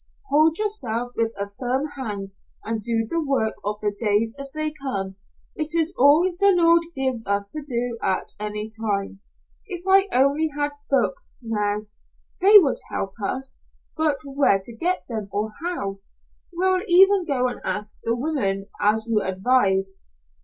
"Hold yourself with a firm hand, and do the work of the days as they come. It's all the Lord gives us to do at any time. If I only had books now, they would help us, but where to get them or how? We'll even go and ask the women, as you advise."